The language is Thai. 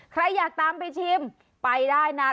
ใครอยากตามไปชิมไปได้นะ